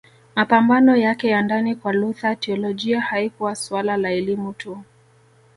Mapambano yake ya ndani Kwa Luther teolojia haikuwa suala la elimu tu